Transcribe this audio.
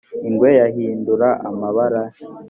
ingwe yahindura amabara